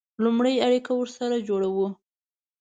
لومړی اړیکه ورسره جوړوو.